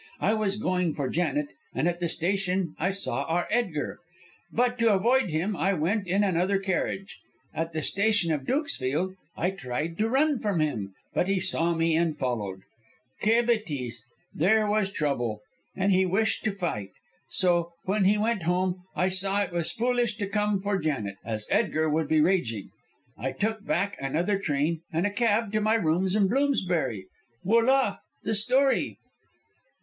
I was going for Janet, and at the station I saw our Edgar; but to avoid him I went in another carriage. At the station of Dukesfield, I tried to run from him; but he saw me and followed; quelle bêtise. There was trouble, and he wished to fight. So when he went home I saw it was foolish to come for Janet, as Edgar would be raging. I took back another train, and a cab to my rooms in Bloomsbury. Voila, the story!"